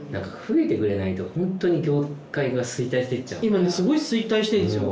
今ねすごい衰退してんですよ